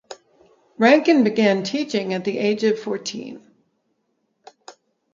Rankin began teaching at the age of fourteen.